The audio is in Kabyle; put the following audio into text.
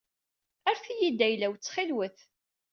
Rret-iyi-d ayla-w ttxil-wet.